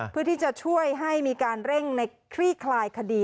เพื่อที่จะช่วยให้มีการเร่งในคลี่คลายคดี